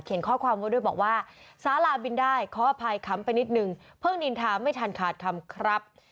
ข้อความไว้ด้วยบอกว่าสาลาบินได้ขออภัยคำไปนิดนึงเพิ่งนินทาไม่ทันขาดคำครับ